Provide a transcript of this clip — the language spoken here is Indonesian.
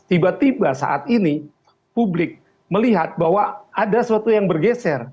tiba tiba saat ini publik melihat bahwa ada sesuatu yang bergeser